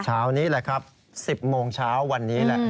เช้านี้แหละครับ๑๐โมงเช้าวันนี้แหละ